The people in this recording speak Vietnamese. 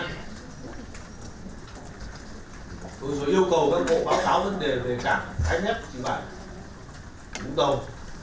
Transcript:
zao thủ tướng yêu cầu các bộ các báo cáo vấn đề về cản ánh nét trình bản trung tâm